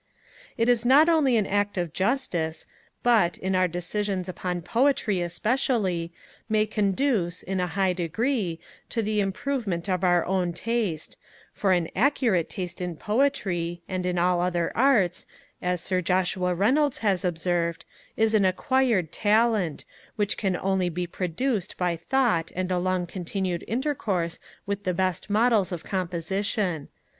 This is not only an act of justice, but, in our decisions upon poetry especially, may conduce, in a high degree, to the improvement of our own taste; for an accurate taste in poetry, and in all the other arts, as Sir Joshua Reynolds has observed, is an acquired talent, which can only be produced by thought and a long continued intercourse with the best models of composition.